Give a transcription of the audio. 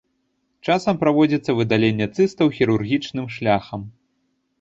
Часам праводзіцца выдаленне цыстаў хірургічным шляхам.